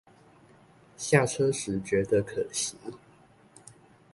下車時覺得可惜